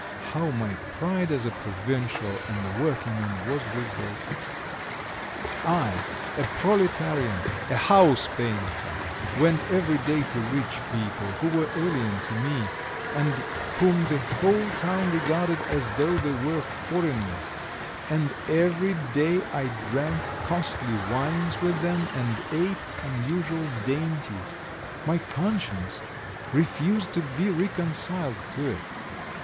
How my pride as a provincial and a working man was revolted. I, a proletarian, a house painter, went every day to rich people who were alien to me, and whom the whole town regarded as though they were foreigners, and every day I drank costly wines with them and ate unusual dainties my conscience refused to be reconciled to it!